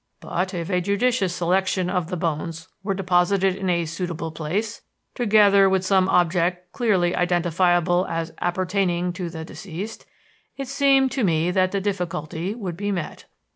But if a judicious selection of the bones were deposited in a suitable place, together with some object clearly identifiable as appertaining to the deceased, it seemed to me that the difficulty would be met.